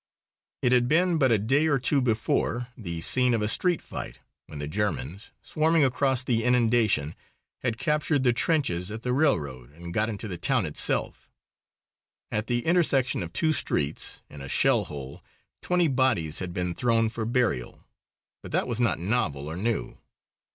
It had been, but a day or two before, the scene of a street fight, when the Germans, swarming across the inundation, had captured the trenches at the railroad and got into the town itself. At the intersection of two streets, in a shell hole, twenty bodies had been thrown for burial. But that was not novel or new.